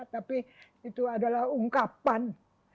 tapi itu adalah ungkapan